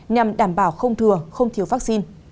nhằm đảm bảo không thừa không thiếu vaccine